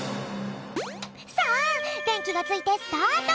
さあでんきがついてスタート！